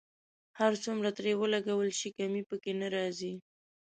هر څومره ترې ولګول شي کمی په کې نه راځي.